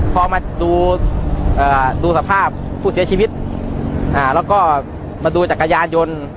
พอมาดูสภาพผู้เสียชีวิตแล้วก็มาดูจักรยานยนต์